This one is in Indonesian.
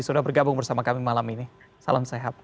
sudah bergabung bersama kami malam ini salam sehat